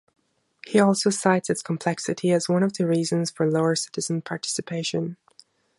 He also cites its complexity as one of the reasons for lower citizen participation.